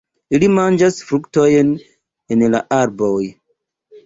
Ili manĝas fruktojn en la arboj.